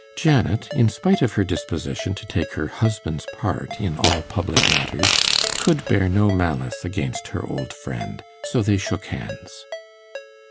Janet, in spite of her disposition to take her husband's part in all public matters, could bear no malice against her old friend; so they shook hands.